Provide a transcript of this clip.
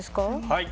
はい。